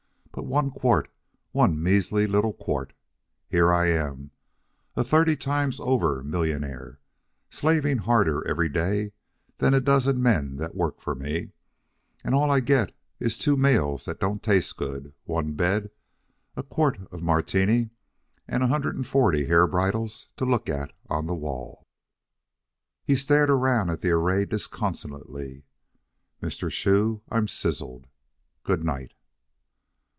But one quart one measly little quart! Here I am, a thirty times over millionaire, slaving harder every day than any dozen men that work for me, and all I get is two meals that don't taste good, one bed, a quart of Martini, and a hundred and forty hair bridles to look at on the wall." He stared around at the array disconsolately. "Mr. Shoe, I'm sizzled. Good night."